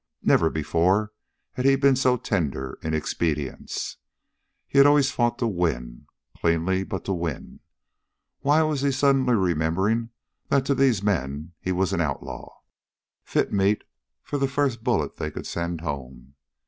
Never before had he been so tender of expedients. He had always fought to win cleanly, but to win. Why was he suddenly remembering that to these men he was an outlaw, fit meat for the first bullet they could send home?